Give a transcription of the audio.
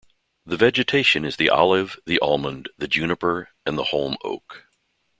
The vegetation is the olive, the almond, the juniper and the holm oak.